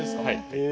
へえ。